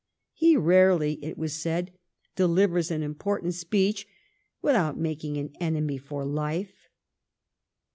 " He rarely," it was said, " delivers an important speech without making an enemy for Uife."